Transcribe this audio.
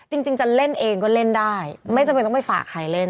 เราเล่นได้ไม่จำเป็นต้องไปฝากใครเล่น